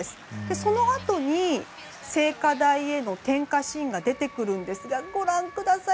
そのあとに聖火台への点火シーンが出てくるんですがご覧ください。